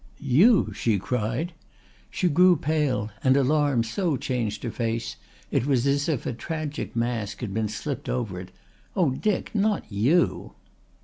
"You!" she cried. She grew pale, and alarm so changed her face it was as if a tragic mask had been slipped over it. "Oh, Dick, not you!"